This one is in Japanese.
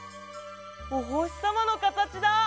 おほしさまのかたちだ！